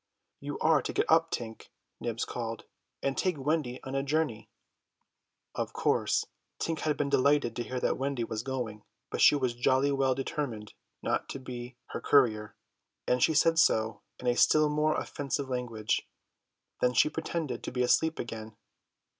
"You are to get up, Tink," Nibs called, "and take Wendy on a journey." Of course Tink had been delighted to hear that Wendy was going; but she was jolly well determined not to be her courier, and she said so in still more offensive language. Then she pretended to be asleep again.